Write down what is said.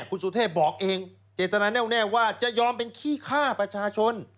คุณสุเทพบอกเองเจตนาแน่วแน่ว่าจะยอมเป็นขี้ฆ่าประชาชน